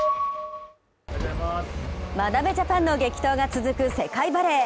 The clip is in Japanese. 眞鍋ジャパンの激闘が続く世界バレー。